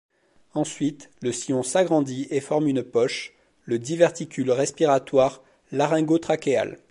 Ensuite, le sillon s'agrandit et forme une poche, le diverticule respiratoire laryngotrachéal.